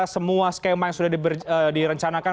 semua skema yang sudah direncanakan